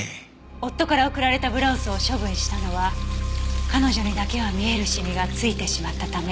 夫から贈られたブラウスを処分したのは彼女にだけは見えるシミがついてしまったため。